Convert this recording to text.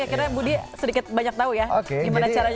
akhirnya budi sedikit banyak tau ya gimana caranya menjaga tubuh